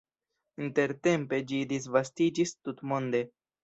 Intertempe ĝi disvastiĝis tutmonde.